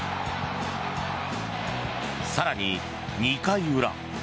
更に、２回裏。